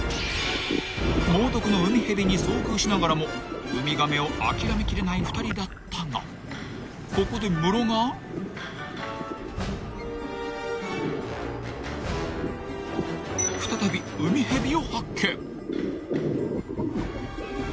［猛毒のウミヘビに遭遇しながらもウミガメを諦め切れない２人だったがここでムロが］ウミヘビ！